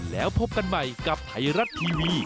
แล้วพบกันใหม่กับไทยรัฐทีวี